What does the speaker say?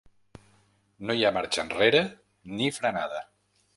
No hi ha marxa enrere ni frenada.